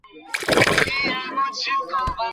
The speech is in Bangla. আচ্ছা, সমস্যা নেই।